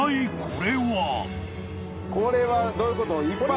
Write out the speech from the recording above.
これはどういうこと？